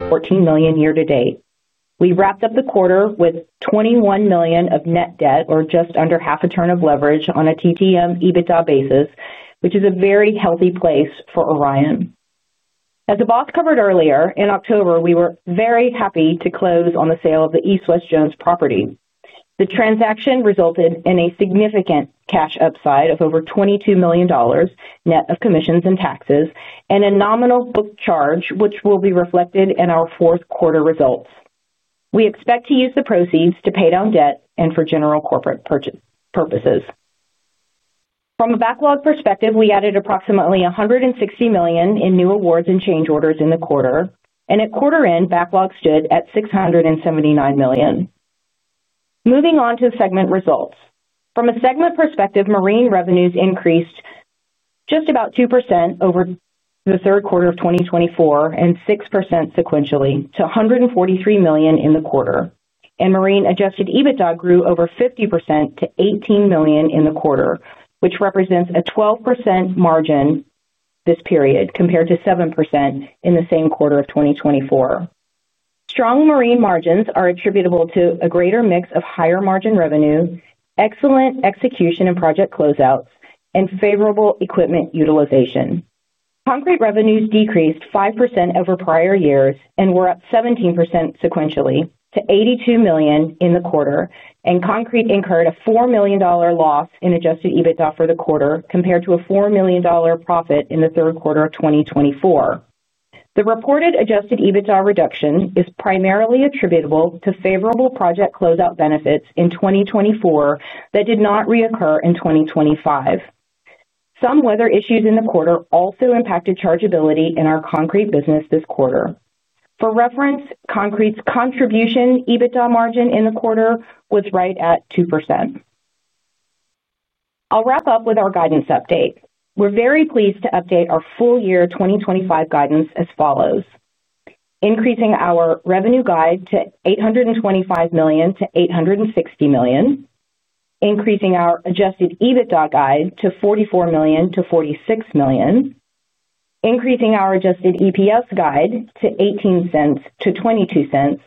$14 million year to date. We wrapped up the quarter with $21 million of net debt, or just under half a turn of leverage on a trailing twelve-month EBITDA basis, which is a very healthy place for Orion. As the boss covered earlier, in October, we were very happy to close on the sale of the East West Jones property. The transaction resulted in a significant cash upside of over $22 million net of commissions and taxes and a nominal book charge, which will be reflected in our fourth quarter results. We expect to use the proceeds to pay down debt and for general corporate purchase purposes. From a backlog perspective, we added approximately $160 million in new awards and change orders in the quarter, and at quarter end, backlog stood at $679 million. Moving on to segment results. From a segment perspective, Marine revenues increased just about 2% over the third quarter of 2024 and 6% sequentially to $143 million in the quarter. Marine adjusted EBITDA grew over 50% to $18 million in the quarter, which represents a 12% margin this period compared to 7% in the same quarter of 2024. Strong Marine margins are attributable to a greater mix of higher margin revenue, excellent execution and project closeouts, and favorable equipment utilization. Concrete revenues decreased 5% over prior years and were up 17% sequentially to $82 million in the quarter, and Concrete incurred a $4 million loss in adjusted EBITDA for the quarter compared to a $4 million profit in the third quarter of 2024. The reported adjusted EBITDA reduction is primarily attributable to favorable project closeout benefits in 2024 that did not reoccur in 2025. Some weather issues in the quarter also impacted chargeability in our Concrete business this quarter. For reference, Concrete's contribution EBITDA margin in the quarter was right at 2%. I'll wrap up with our guidance update. We're very pleased to update our full year 2025 guidance as follows: increasing our revenue guide to $825 million to $860 million, increasing our adjusted EBITDA guide to $44 million to $46 million, increasing our adjusted EPS guide to $0.18 to $0.22,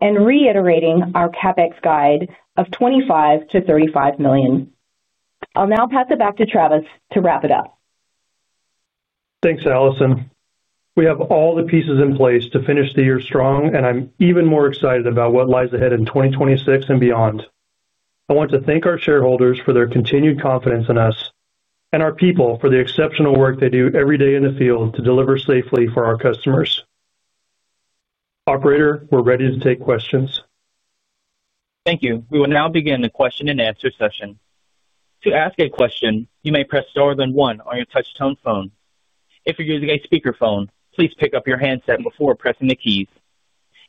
and reiterating our CapEx guide of $25 million to $35 million. I'll now pass it back to Travis to wrap it up. Thanks, Alison. We have all the pieces in place to finish the year strong, and I'm even more excited about what lies ahead in 2026 and beyond. I want to thank our shareholders for their continued confidence in us and our people for the exceptional work they do every day in the field to deliver safely for our customers. Operator, we're ready to take questions. Thank you. We will now begin the question and answer session. To ask a question, you may press star then one on your touch-tone phone. If you're using a speaker phone, please pick up your handset before pressing the keys.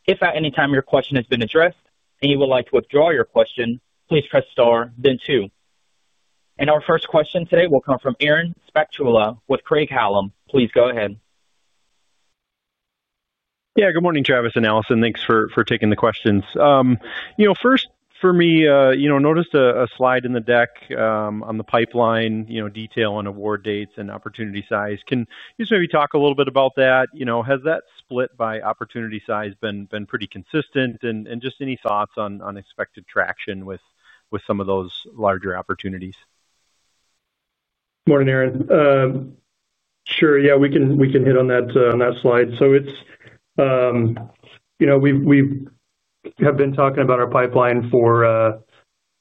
If at any time your question has been addressed and you would like to withdraw your question, please press star then two. Our first question today will come from Aaron Spychalla with Craig-Hallum. Please go ahead. Good morning, Travis and Alison. Thanks for taking the questions. First for me, I noticed a slide in the deck on the pipeline, detail on award dates and opportunity size. Can you just maybe talk a little bit about that? Has that split by opportunity size been pretty consistent? Any thoughts on expected traction with some of those larger opportunities? Morning, Aaron. Sure, yeah, we can hit on that slide. We have been talking about our pipeline for a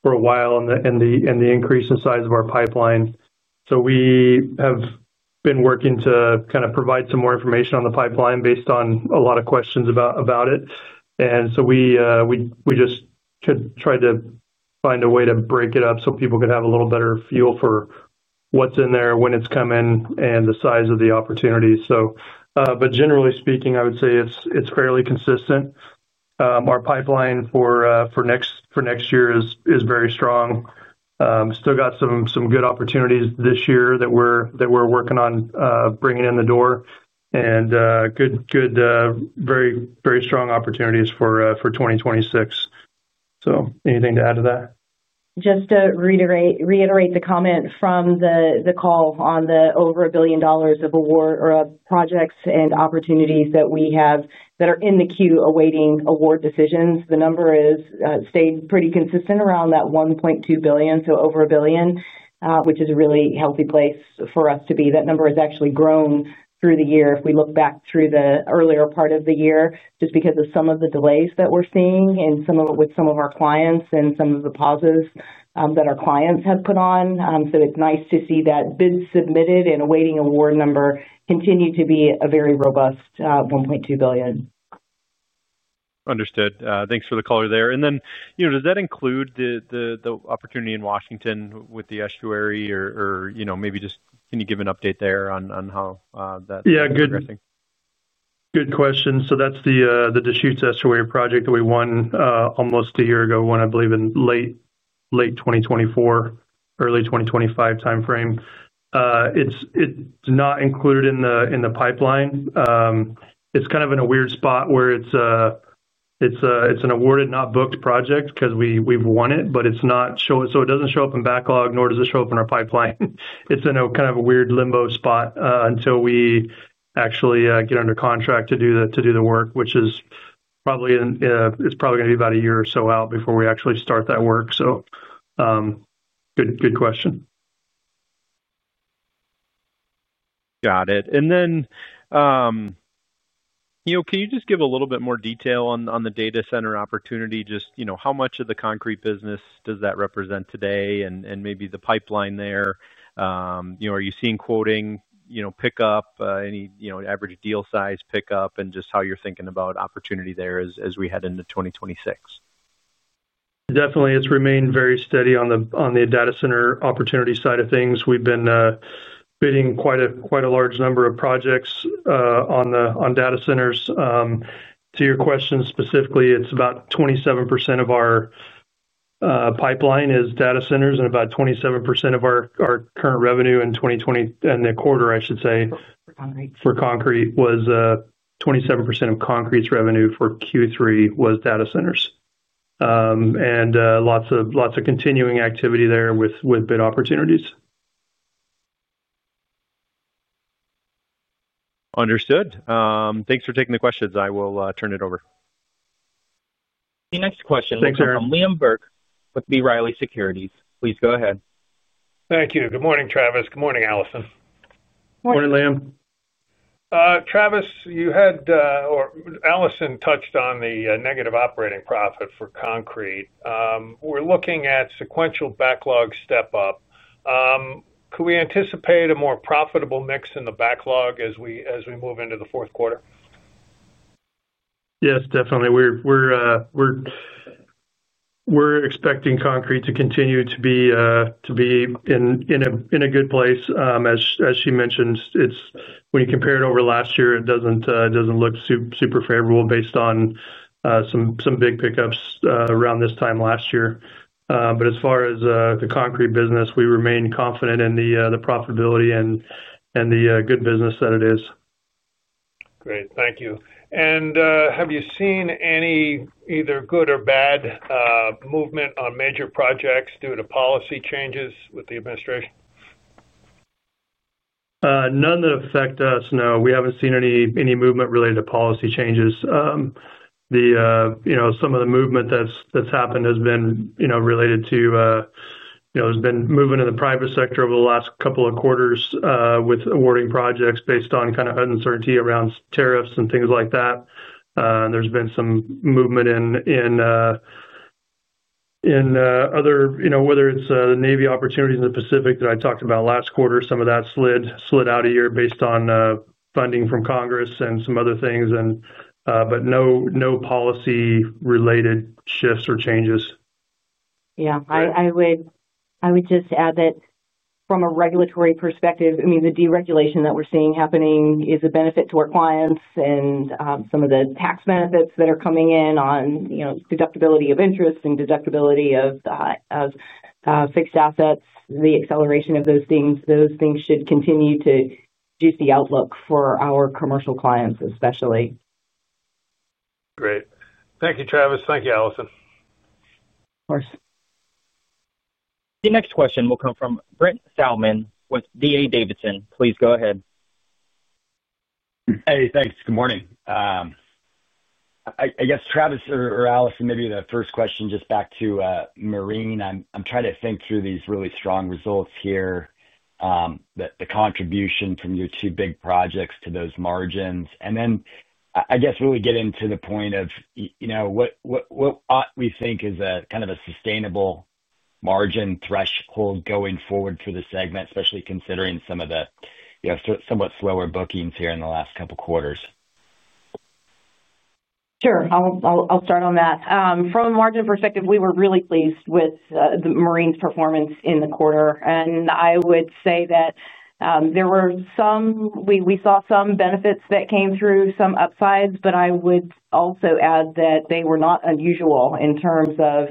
while and the increase in size of our pipeline. We have been working to kind of provide some more information on the pipeline based on a lot of questions about it. We just tried to find a way to break it up so people could have a little better feel for what's in there, when it's coming, and the size of the opportunity. Generally speaking, I would say it's fairly consistent. Our pipeline for next year is very strong. Still got some good opportunities this year that we're working on bringing in the door and good, good, very, very strong opportunities for 2026. Anything to add to that? Just to reiterate the comment from the call on the over $1 billion of award or projects and opportunities that we have that are in the queue awaiting award decisions. The number has stayed pretty consistent around that $1.2 billion, so over $1 billion, which is a really healthy place for us to be. That number has actually grown through the year if we look back through the earlier part of the year, just because of some of the delays that we're seeing and some of it with some of our clients and some of the pauses that our clients have put on. It's nice to see that bids submitted and awaiting award number continue to be a very robust $1.2 billion. Understood. Thanks for the color there. Does that include the opportunity in Washington with the Deschutes Estuary, or can you give an update there on how that is progressing? Yeah, good question. That's the Deschutes Estuary project that we won almost a year ago, won, I believe, in late 2024, early 2025 timeframe. It's not included in the pipeline. It's kind of in a weird spot where it's an awarded not booked project because we've won it, but it's not showing, so it doesn't show up in backlog, nor does it show up in our pipeline. It's in kind of a weird limbo spot until we actually get under contract to do the work, which is probably going to be about a year or so out before we actually start that work. Good question. Got it. Can you just give a little bit more detail on the data center opportunity? Just how much of the concrete business does that represent today and maybe the pipeline there? Are you seeing quoting pickup, any average deal size pickup, and just how you're thinking about opportunity there as we head into 2026? Definitely, it's remained very steady on the data center opportunity side of things. We've been bidding quite a large number of projects on data centers. To your question specifically, it's about 27% of our pipeline is data centers and about 27% of our current revenue in 2020, and the quarter, I should say, for concrete was 27% of concrete's revenue for Q3 was data centers. Lots of continuing activity there with bid opportunities. Understood. Thanks for taking the questions. I will turn it over. The next question is from Liam Burke with B. Riley Securities. Please go ahead. Thank you. Good morning, Travis. Good morning, Alison. Morning, Liam. Travis, you had, or Alison touched on the negative operating profit for concrete. We're looking at sequential backlog step up. Could we anticipate a more profitable mix in the backlog as we move into the fourth quarter? Yes, definitely. We're expecting concrete to continue to be in a good place. As she mentioned, when you compare it over last year, it doesn't look super favorable based on some big pickups around this time last year. As far as the concrete business, we remain confident in the profitability and the good business that it is. Thank you. Have you seen any either good or bad movement on major projects due to policy changes with the administration? None that affect us, no. We haven't seen any movement related to policy changes. Some of the movement that's happened has been related to moving in the private sector over the last couple of quarters with awarding projects based on kind of uncertainty around tariffs and things like that. There's been some movement in other areas, whether it's the Navy opportunities in the Pacific that I talked about last quarter. Some of that slid out a year based on funding from Congress and some other things. No policy-related shifts or changes. I would just add that from a regulatory perspective, the deregulation that we're seeing happening is a benefit to our clients, and some of the tax benefits that are coming in on, you know, deductibility of interest and deductibility of fixed assets, the acceleration of those things, those things should continue to reduce the outlook for our commercial clients especially. Great. Thank you, Travis. Thank you, Alison. Of course. The next question will come from Brent Thielman with D.A. Davidson. Please go ahead. Hey, thanks. Good morning. I guess, Travis or Alison, maybe the first question just back to Marine. I'm trying to think through these really strong results here, the contribution from your two big projects to those margins. I guess really getting to the point of, you know, what we think is a kind of a sustainable margin threshold going forward for the segment, especially considering some of the, you know, somewhat slower bookings here in the last couple of quarters. Sure. I'll start on that. From a margin perspective, we were really pleased with the Marine's performance in the quarter. I would say that we saw some benefits that came through, some upsides, but I would also add that they were not unusual in terms of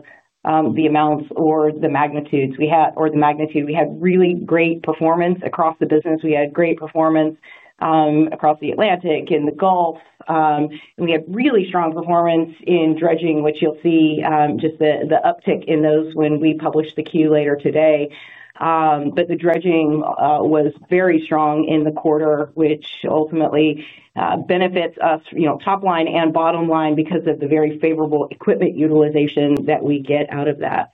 the amounts or the magnitude. We had really great performance across the business. We had great performance across the Atlantic and the Gulf. We had really strong performance in dredging, which you'll see just the uptick in those when we publish the queue later today. The dredging was very strong in the quarter, which ultimately benefits us, you know, top line and bottom line because of the very favorable equipment utilization that we get out of that.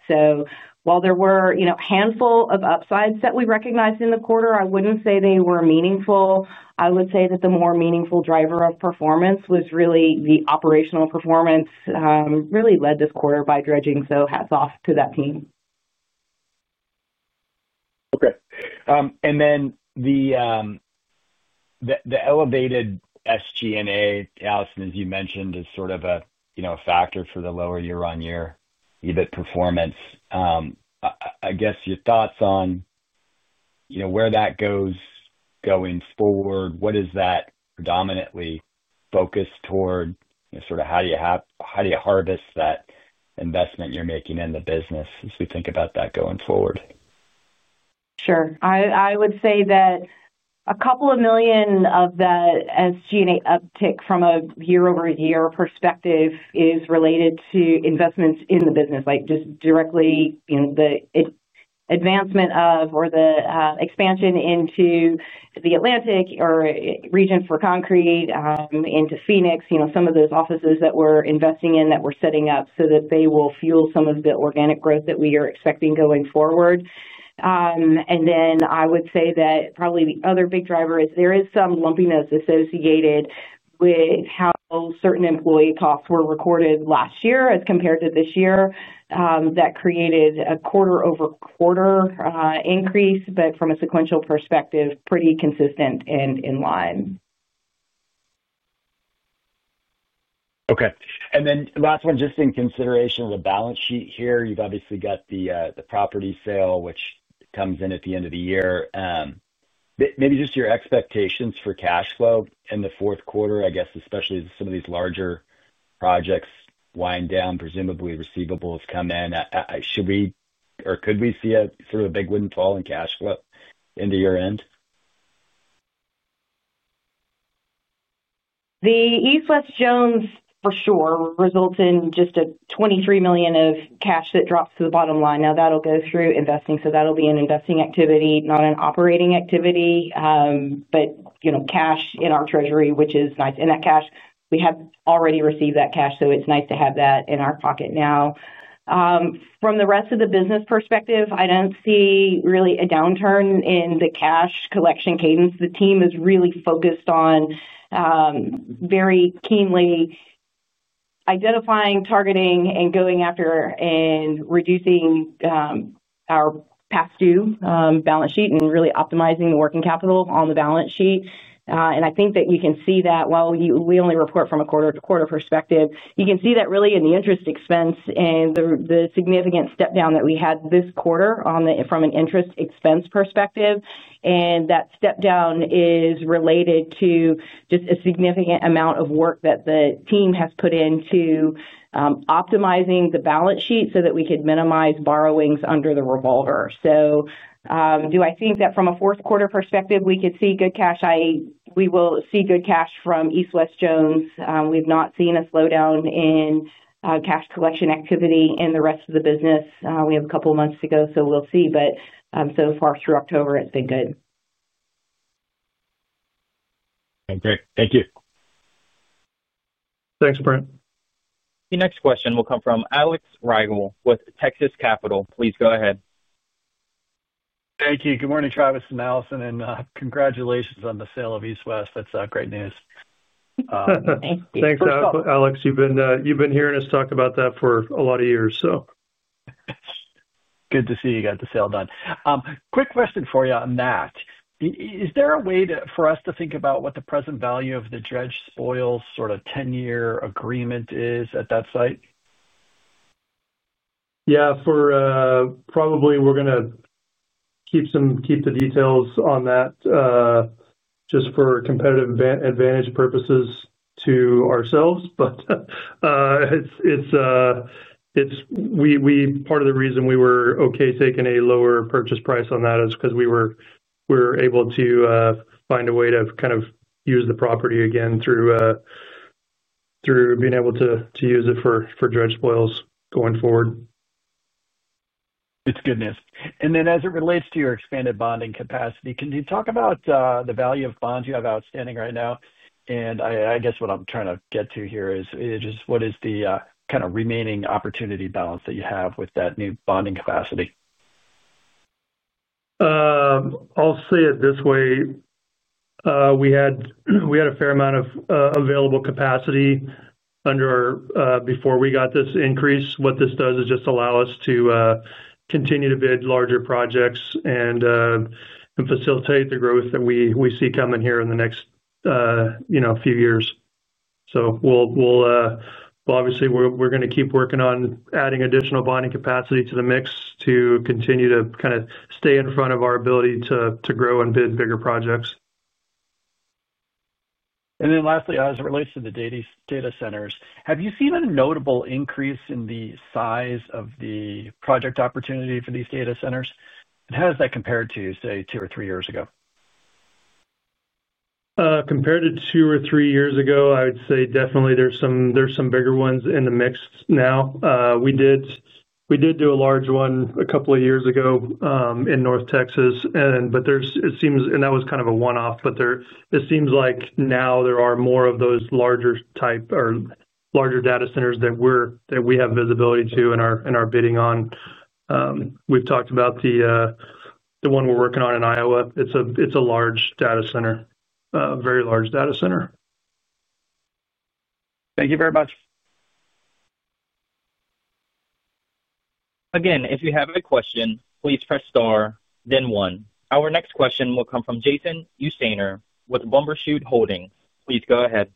While there were, you know, a handful of upsides that we recognized in the quarter, I wouldn't say they were meaningful. I would say that the more meaningful driver of performance was really the operational performance, really led this quarter by dredging. Hats off to that team. Okay. The elevated SG&A, Alison, as you mentioned, is sort of a factor for the lower year-on-year EBIT performance. I guess your thoughts on where that goes going forward, what is that predominantly focused toward? How do you harvest that investment you're making in the business as we think about that going forward? Sure. I would say that a couple of million of that SG&A uptick from a year-over-year perspective is related to investments in the business, like just directly, you know, the advancement of or the expansion into the Atlantic region for concrete, into Phoenix, you know, some of those offices that we're investing in that we're setting up so that they will fuel some of the organic growth that we are expecting going forward. I would say that probably the other big driver is there is some lumpiness associated with how certain employee costs were recorded last year as compared to this year, that created a quarter-over-quarter increase, but from a sequential perspective, pretty consistent and in line. Okay. Last one, just in consideration of the balance sheet here, you've obviously got the property sale, which comes in at the end of the year. Maybe just your expectations for cash flow in the fourth quarter, I guess, especially as some of these larger projects wind down, presumably receivables come in. Should we or could we see a sort of a big windfall in cash flow into year-end? The East West Jones, for sure, results in just $23 million of cash that drops to the bottom line. That'll go through investing. That'll be an investing activity, not an operating activity, but you know, cash in our treasury, which is nice. That cash, we have already received that cash, so it's nice to have that in our pocket now. From the rest of the business perspective, I don't see really a downturn in the cash collection cadence. The team is really focused on, very keenly identifying, targeting, and going after and reducing our past due balance sheet and really optimizing the working capital on the balance sheet. I think that you can see that while we only report from a quarter-to-quarter perspective, you can see that really in the interest expense and the significant step-down that we had this quarter from an interest expense perspective. That step-down is related to just a significant amount of work that the team has put into optimizing the balance sheet so that we could minimize borrowings under the revolver. Do I think that from a fourth-quarter perspective, we could see good cash? We will see good cash from East West Jones. We've not seen a slowdown in cash collection activity in the rest of the business. We have a couple of months to go, so we'll see. So far through October, it's been good. Okay. Great. Thank you. Thanks, Brent. The next question will come from Alex Rygiel with Texas Capital. Please go ahead. Thank you. Good morning, Travis and Alison, and congratulations on the sale of East West Jones property. That's great news. Thank you. Thanks, Alex. You've been hearing us talk about that for a lot of years. Good to see you got the sale done. Quick question for you on that. Is there a way for us to think about what the present value of the dredged spoils sort of 10-year agreement is at that site? Yeah, we're probably going to keep the details on that just for competitive advantage purposes to ourselves. Part of the reason we were okay taking a lower purchase price on that is because we were able to find a way to kind of use the property again through being able to use it for dredged spoils going forward. It's good news. As it relates to your expanded bonding capacity, can you talk about the value of bonds you have outstanding right now? I guess what I'm trying to get to here is just what is the kind of remaining opportunity balance that you have with that new bonding capacity? I'll say it this way. We had a fair amount of available capacity under our before we got this increase. What this does is just allow us to continue to bid larger projects and facilitate the growth that we see coming here in the next few years. We'll obviously keep working on adding additional bonding capacity to the mix to continue to kind of stay in front of our ability to grow and bid bigger projects. Lastly, as it relates to the data centers, have you seen a notable increase in the size of the project opportunity for these data centers, and how has that compared to, say, two or three years ago? Compared to two or three years ago, I would say definitely there's some bigger ones in the mix now. We did do a large one a couple of years ago in North Texas, and it seems like now there are more of those larger type or larger data centers that we have visibility to in our bidding on. We've talked about the one we're working on in Iowa. It's a large data center, a very large data center. Thank you very much. Again, if you have a question, please press star, then one. Our next question will come from Jason Usainer with Bumbershoot Holdings. Please go ahead.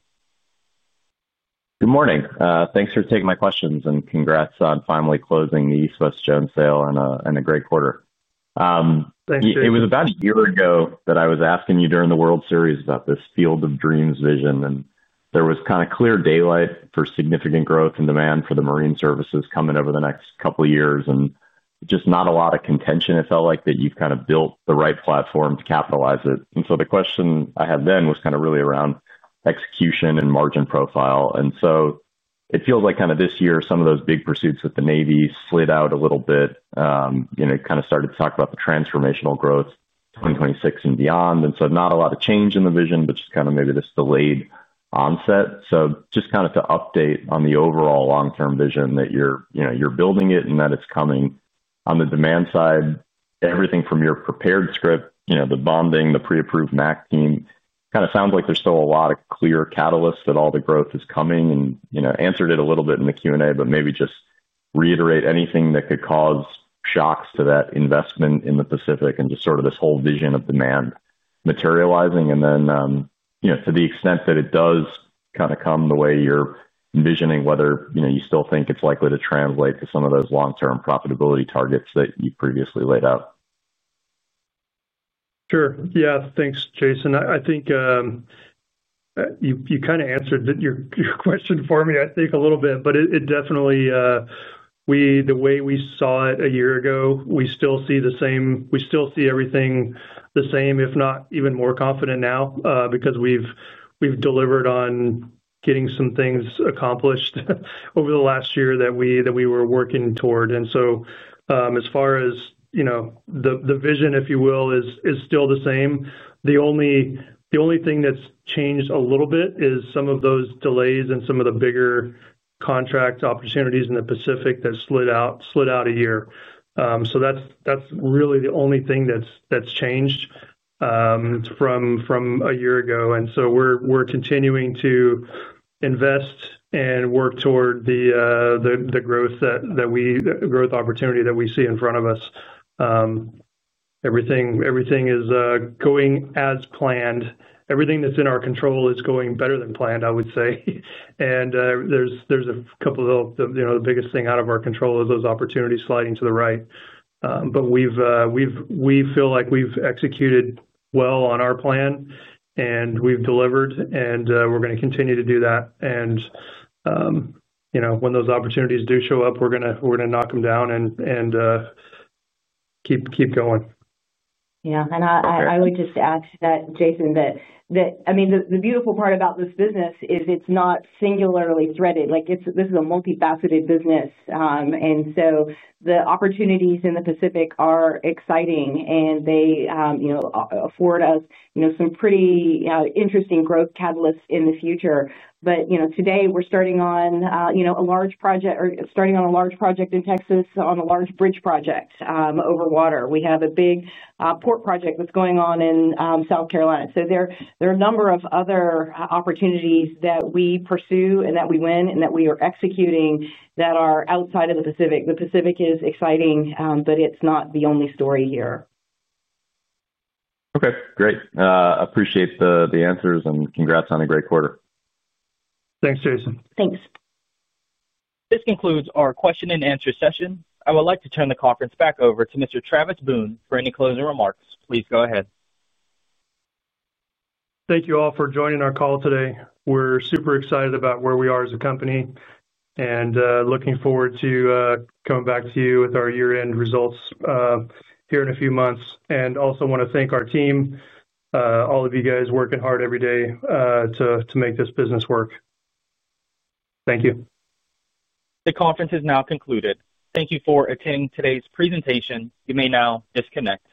Good morning. Thanks for taking my questions and congrats on finally closing the East West Jones sale in a great quarter. Thank you. It was about a year ago that I was asking you during the World Series about this field of dreams vision, and there was kind of clear daylight for significant growth and demand for the marine services coming over the next couple of years and just not a lot of contention. It felt like that you've kind of built the right platform to capitalize it. The question I had then was kind of really around execution and margin profile. It feels like this year, some of those big pursuits with the Navy slid out a little bit. You started to talk about the transformational growth, 2026 and beyond. Not a lot of change in the vision, but just maybe this delayed onset. Just to update on the overall long-term vision that you're building and that it's coming on the demand side, everything from your prepared script, the bonding, the pre-approved MAC team, kind of sounds like there's still a lot of clear catalysts that all the growth is coming and you answered it a little bit in the Q&A, but maybe just reiterate anything that could cause shocks to that investment in the Pacific and just sort of this whole vision of demand materializing. To the extent that it does come the way you're envisioning, whether you still think it's likely to translate to some of those long-term profitability targets that you previously laid out. Sure. Yeah, thanks, Jason. I think you kind of answered your question for me a little bit, but definitely, the way we saw it a year ago, we still see the same. We still see everything the same, if not even more confident now because we've delivered on getting some things accomplished over the last year that we were working toward. As far as the vision, if you will, it is still the same. The only thing that's changed a little bit is some of those delays and some of the bigger contract opportunities in the Pacific that slid out a year. That's really the only thing that's changed from a year ago. We're continuing to invest and work toward the growth that we, the growth opportunity that we see in front of us. Everything is going as planned. Everything that's in our control is going better than planned, I would say. The biggest thing out of our control is those opportunities sliding to the right. We feel like we've executed well on our plan and we've delivered and we're going to continue to do that. When those opportunities do show up, we're going to knock them down and keep going. Yeah. I would just add to that, Jason, that the beautiful part about this business is it's not singularly threaded. This is a multifaceted business, and the opportunities in the Pacific are exciting and they afford us some pretty interesting growth catalysts in the future. Today we're starting on a large project in Texas on a large bridge project over water. We have a big port project that's going on in South Carolina. There are a number of other opportunities that we pursue and that we win and that we are executing that are outside of the Pacific. The Pacific is exciting, but it's not the only story here. Okay. Great. Appreciate the answers and congrats on a great quarter. Thanks, Jason. Thanks. This concludes our question and answer session. I would like to turn the conference back over to Mr. Travis Boone for any closing remarks. Please go ahead. Thank you all for joining our call today. We're super excited about where we are as a company and looking forward to coming back to you with our year-end results here in a few months. I also want to thank our team, all of you guys working hard every day to make this business work. Thank you. The conference is now concluded. Thank you for attending today's presentation. You may now disconnect.